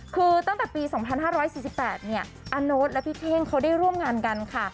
คือตั้งแต่ปี๒๕๔๘เนี่ยอาโน๊ตและพี่เท่งเขาได้ร่วมงานกันค่ะ